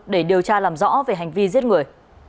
để điều tra làm rõ về hành vi giết người